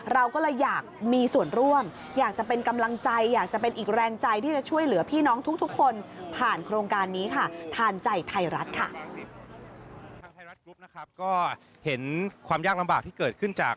เราก็เลยอยากมีส่วนร่วมอยากจะเป็นกำลังใจ